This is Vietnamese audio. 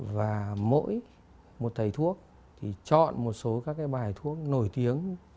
và mỗi một thầy thuốc thì chọn một số các cái bài thuốc nổi tiếng